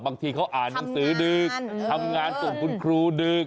บางทีเขาอ่านหนังสือดึกทำงานส่งคุณครูดึก